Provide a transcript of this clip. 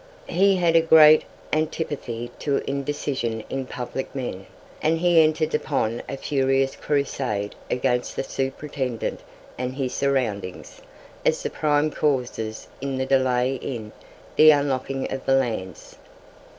He had a great antipathy to indecision in public men, and he entered upon a furious crusade against the Superintendent and his surroundings, as the prime causes in the delay in "the unlocking of the lands."